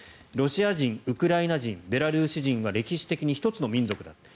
ロシア人、ウクライナ人ベラルーシ人は歴史的に一つの民族だ。